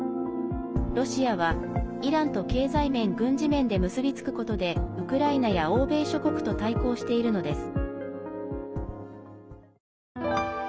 ロシアはイランと経済面・軍事面で結びつくことでウクライナや欧米諸国と対抗しているのです。